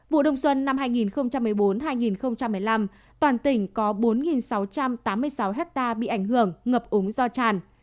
vụ đông xuân năm hai nghìn một mươi bốn hai nghìn một mươi năm toàn tỉnh có bốn sáu trăm tám mươi sáu hectare bị ảnh hưởng ngập úng do tràn